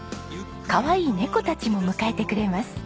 かわいい猫たちも迎えてくれます。